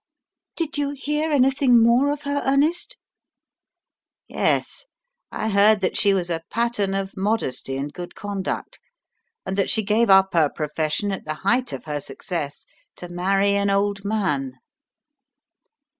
"Did you hear anything more of her, Ernest?" "Yes; I heard that she was a pattern of modesty and good conduct, and that she gave up her profession at the height of her success to marry an old man."